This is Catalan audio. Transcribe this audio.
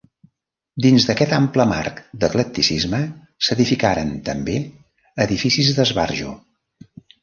Dins aquest ample marc d'eclecticisme s'edificaren, també, edificis d'esbarjo.